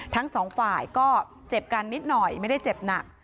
ทั้งสองฝ่ายก็เจ็บกันนิดหน่อยไม่ได้เจ็บหนัก